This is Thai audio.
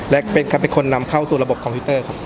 และเป็นคนนำเข้าสู่ระบบคอมพิวเตอร์ครับ